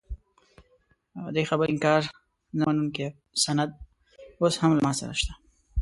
دې خبرې انکار نه منونکی سند اوس هم له ما سره شته.